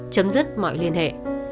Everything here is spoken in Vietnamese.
chấm dứt mọi liên hệ